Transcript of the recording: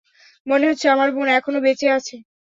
মনে হচ্ছে আমার বোন এখনও বেঁচে আছে।